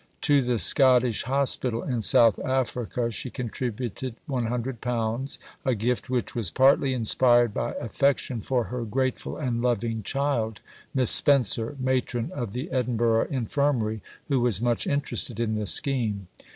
To the "Scottish Hospital in South Africa," she contributed £100 a gift which was partly inspired by affection for her "grateful and loving child," Miss Spencer, matron of the Edinburgh Infirmary, who was much interested in the scheme.